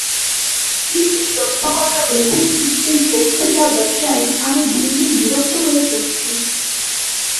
কিন্তু সত্য কথা বলতে কি, এই বক্তৃতা-ব্যবসায়ে আমি দিন দিন বিরক্ত হয়ে পড়ছি।